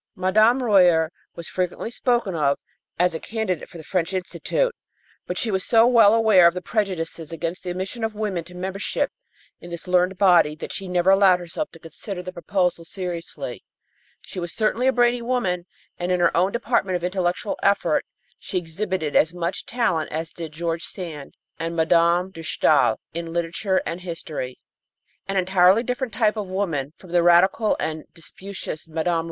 Mme. Royer was frequently spoken of as a candidate for the French Institute, but she was so well aware of the prejudices against the admission of women to membership in this learned body that she never allowed herself to consider the proposal seriously. She was certainly a brainy woman, and in her own department of intellectual effort she exhibited as much talent as did George Sand and Mme. de Staël in literature and history. An entirely different type of woman from the radical and disputatious Mme.